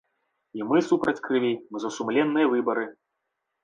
І мы супраць крыві, мы за сумленныя выбары.